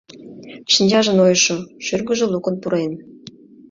Шинчаже нойышо, шӱргыжӧ лукын пурен.